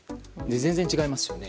全然違いますよね。